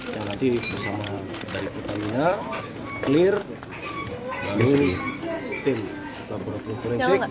yang tadi bersama dari putamina clear lalu tim laboratorium forensik